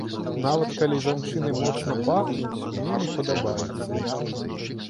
Нават калі жанчыны моцна пахнуць, мне не падабаецца.